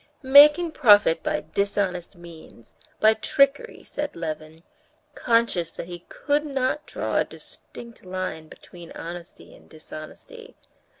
"Making profit by dishonest means, by trickery," said Levin, conscious that he could not draw a distinct line between honesty and dishonesty.